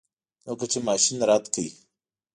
لکه چې ماشین رد کړ.